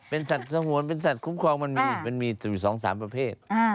เป็นสัตว์สงวนเป็นสัตว์คุ้มครองมันมีมันมีอยู่๒๓ประเภท